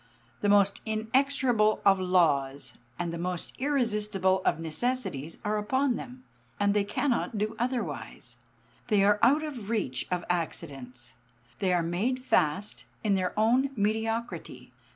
The most inexorable of laws, and the most irresistible of necessities are upon them; they cannot do otherwise; they are out of the reach of accidents; they are made fast in their own mediocrity.